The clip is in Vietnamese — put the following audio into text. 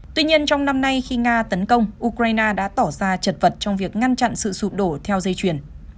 tuy nhiên trong năm nay khi nga tấn công ukraine đã tỏ ra chật vật trong việc ngăn chặn sự sụp đổ theo dây chuyền